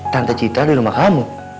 tante citra di rumah kamu